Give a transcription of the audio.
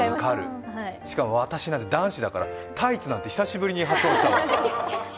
しかも私なんて男子だから、タイツなんて久しぶりに発音した。